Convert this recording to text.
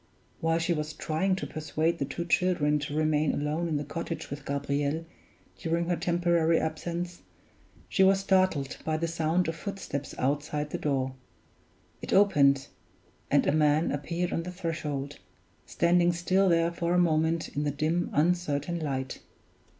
While she was trying to persuade the two children to remain alone in the cottage with Gabriel during her temporary absence, she was startled by the sound of footsteps outside the door. It opened, and a man appeared on the threshold, standing still there for a moment in the dim, uncertain light.